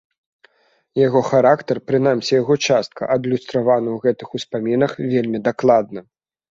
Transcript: Яго характар, прынамсі яго частка, адлюстраваны ў гэтых успамінах вельмі даклада.